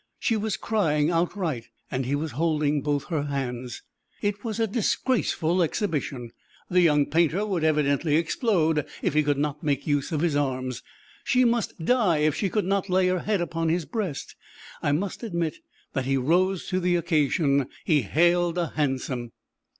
She was crying outright, and he was holding both her hands. It was a disgraceful exhibition. The young painter would evidently explode if he could not make use of his arms. She must die if she could not lay her head upon his breast. I must admit that he rose to the occasion; he hailed a hansom.